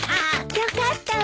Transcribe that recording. よかったわ。